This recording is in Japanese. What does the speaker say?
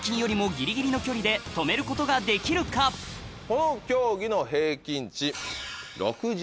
この競技の平均値。